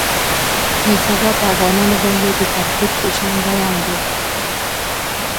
نن سبا په افغانانو باندې د تنقید فیشن روان دی.